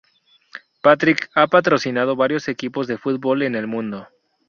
Patrick ha patrocinado varios equipos de fútbol en el mundo.